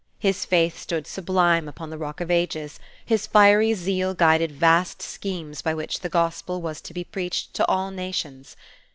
His faith stood sublime upon the Rock of Ages; his fiery zeal guided vast schemes by which the Gospel was to be preached to all nations.